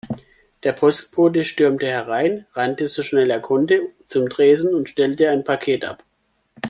Der Postbote stürmte herein, rannte so schnell er konnte zum Tresen und stellte ein Paket ab.